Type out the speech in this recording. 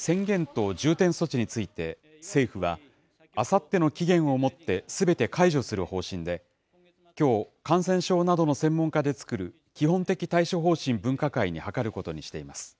宣言と重点措置について、政府はあさっての期限をもって、すべて解除する方針で、きょう、感染症などの専門家で作る基本的対処方針分科会に諮ることにしています。